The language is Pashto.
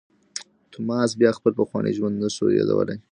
توماس بیا خپل پخوانی ژوند نه شو یادولای.